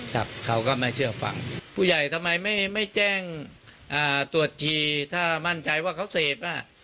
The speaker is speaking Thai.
ครับเขาก็ไม่เชื่อฟังผู้ใหญ่ทำไมไม่ไม่แจ้งตรวจทีถ้ามั่นใจว่าเขาเสพอ่ะ